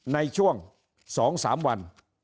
ในช่วงสองสามวัน